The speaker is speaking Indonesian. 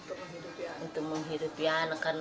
untuk menghidupi anak anak